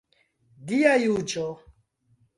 Dia juĝo.